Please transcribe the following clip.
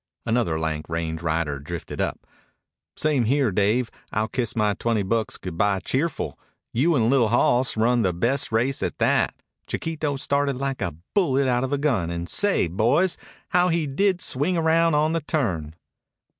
Another lank range rider drifted up. "Same here, Dave. I'll kiss my twenty bucks good bye cheerful. You 'n' the li'l hoss run the best race, at that. Chiquito started like a bullet out of a gun, and say, boys! how he did swing round on the turn."